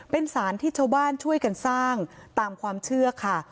เป็นสารที่ชาวบ้านช่วยกันสร้างตามความเชื่อค่ะ